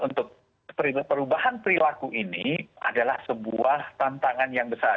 untuk perubahan perilaku ini adalah sebuah tantangan yang besar